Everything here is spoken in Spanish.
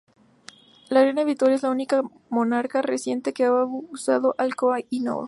La Reina Victoria es la única monarca reinante que ha usado el Koh-i-Noor.